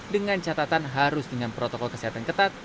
dengan catatan harus dengan protokol kesehatan ketat